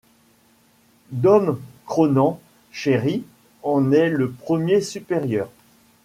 Dom Cronan Shery en est le premier supérieur.